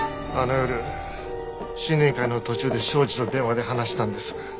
あの夜新年会の途中で庄司と電話で話したんです。